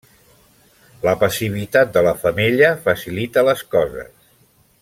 La passivitat de la femella facilita les coses.